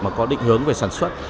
mà có định hướng về sản xuất